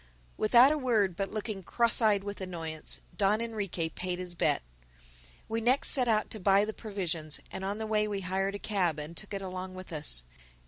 Without a word, but looking cross eyed with annoyance, Don Enrique paid his bet. We next set out to buy the provisions; and on the way we hired a cab and took it along with us.